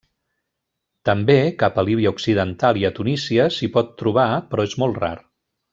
També cap a Líbia occidental i a Tunísia s'hi pot trobar però és molt rar.